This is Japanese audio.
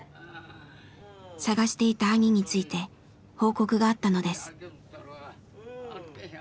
探していた兄について報告があったのです。